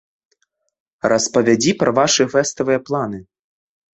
Распавядзі пра вашы фэставыя планы.